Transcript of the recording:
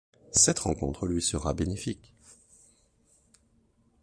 Cette rencontre lui sera bénéfique.